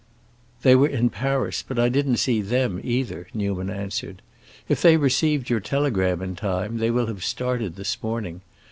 "They were in Paris, but I didn't see them, either," Newman answered. "If they received your telegram in time, they will have started this morning.